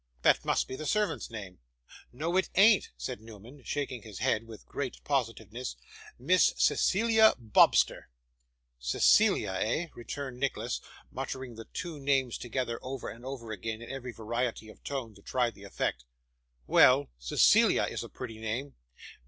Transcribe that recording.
'That must be the servant's name.' 'No, it an't,' said Newman, shaking his head with great positiveness. 'Miss Cecilia Bobster.' 'Cecilia, eh?' returned Nicholas, muttering the two names together over and over again in every variety of tone, to try the effect. 'Well, Cecilia is a pretty name.